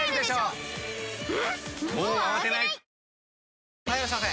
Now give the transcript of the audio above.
あ・はいいらっしゃいませ！